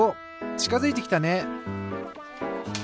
ちかづいてきたね！